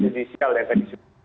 komisi jisial dan kedisi